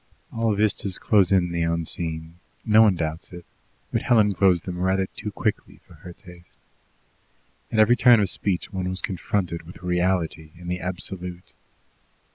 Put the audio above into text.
All vistas close in the unseen no one doubts it but Helen closed them rather too quickly for her taste. At every turn of speech one was confronted with reality and the absolute.